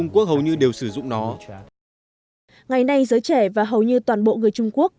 ngày nay giới trẻ và hầu như toàn bộ người trung quốc